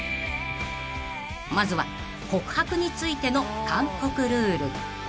［まずは告白についての韓国ルール］